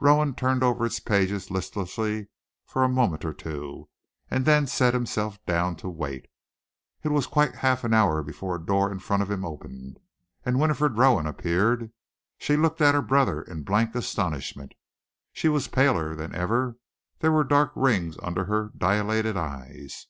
Rowan turned over its pages listlessly for a moment or two, and then set himself down to wait. It was quite half an hour before a door in front of him opened, and Winifred Rowan appeared. She looked at her brother in blank astonishment. She was paler than ever, there were dark rings under her dilated eyes.